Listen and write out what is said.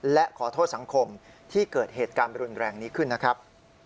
และขอโทษสังคมที่เกิดเหตุการณ์รุนแรงนี้ขึ้นนะครับ